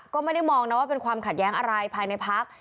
ก็ไม่ได้มองนะว่าเป็นความขัดแย้งอะไรภายในพัก